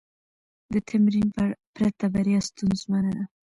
د تمرین پرته، بریا ستونزمنه ده.